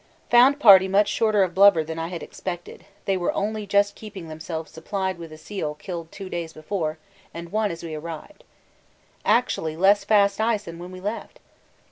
Found party much shorter of blubber than I had expected they were only just keeping themselves supplied with a seal killed two days before and one as we arrived. Actually less fast ice than when we left!